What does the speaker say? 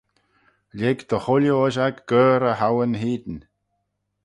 Lhig dy chooilley ushag guirr e hoohyn hene